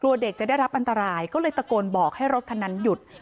เด็กจะได้รับอันตรายก็เลยตะโกนบอกให้รถคันนั้นหยุด